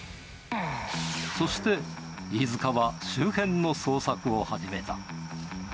そして、飯塚は周辺の捜索を始めた。